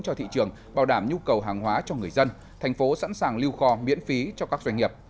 cho thị trường bảo đảm nhu cầu hàng hóa cho người dân thành phố sẵn sàng lưu kho miễn phí cho các doanh nghiệp